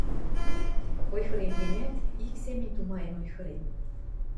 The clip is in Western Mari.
Ойхырен гӹнят, ик семӹнь тумаен ойхырен.